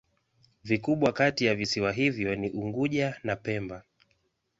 Vikubwa kati ya visiwa hivyo ni Unguja na Pemba.